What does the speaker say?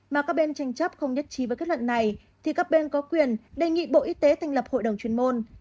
mà các bên tranh chấp không nhất trí với kết luận này thì các bên có quyền đề nghị bộ y tế thành lập hội đồng chuyên môn